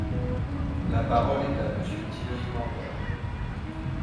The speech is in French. La parole est à Monsieur Thierry Mandon.